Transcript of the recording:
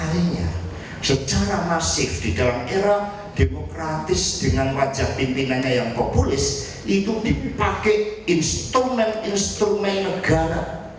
demokratis dengan wajah pimpinannya yang populis itu dipakai instrumen instrumen negara